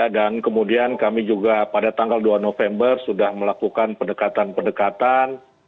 dan kemudian kami juga pada tanggal dua november sudah melakukan pendekatan pendekatan